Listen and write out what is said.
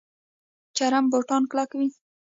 چرم بوټان کلک وي